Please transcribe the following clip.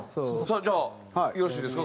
じゃあよろしいですか？